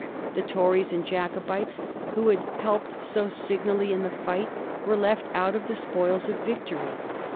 The Tories and Jacobites, who had helped so signally in the fight, were left out of the spoils of victory.